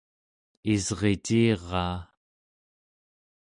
isriciraa